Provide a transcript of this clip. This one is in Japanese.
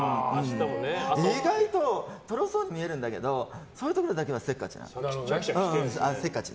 意外と、とろそうに見えるけどそういうところはせっかちなの。